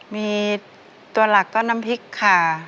มีตัวหลักก็น้ำพริกค่ะ